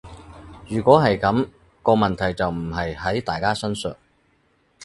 如果係噉，個問題就唔係喺大家身上